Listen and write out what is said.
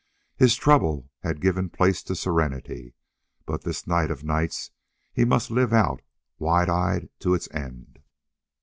His trouble had given place to serenity. But this night of nights he must live out wide eyed to its end.